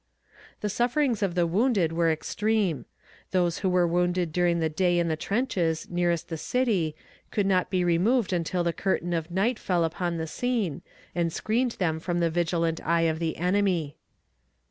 The sufferings of the wounded were extreme. Those who were wounded during the day in the trenches nearest the city could not be removed until the curtain of night fell upon the scene and screened them from the vigilant eye of the enemy.